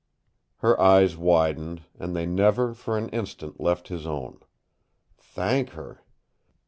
Her eyes widened, and they never for an instant left his own. Thank her!